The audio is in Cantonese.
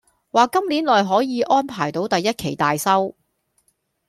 話今年內可以安排到第一期大修